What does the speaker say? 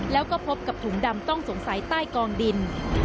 แล้วก็พบกับถุงดำต้องสงสัยใต้กองดิน